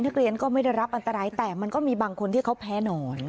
นักเรียนก็ไม่ได้รับอันตรายแต่มันก็มีบางคนที่เขาแพ้นอน